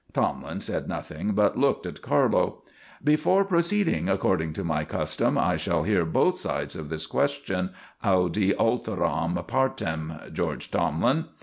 Tomlin said nothing, but looked at Carlo. "Before proceeding, according to my custom, I shall hear both sides of this question audi alteram partem, George Tomlin.